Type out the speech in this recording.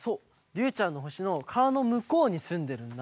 りゅうちゃんのほしのかわのむこうにすんでるんだ。